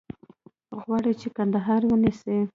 غواړي چې کندهار ونیسي.